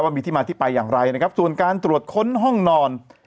มีที่มาที่ไปอย่างไรนะครับส่วนการตรวจค้นห้องนอน